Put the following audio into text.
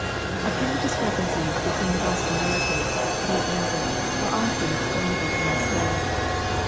Apparent discrepancies between the Gospel narratives, be it noted, are often explainable in this way.